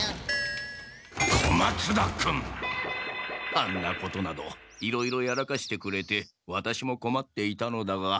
あんなことなどいろいろやらかしてくれてワタシもこまっていたのだが。